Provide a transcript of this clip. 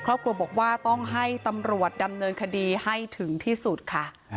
ครอบครัวบอกว่าต้องให้ตำรวจดำเนินคดีให้ถึงที่สุดค่ะ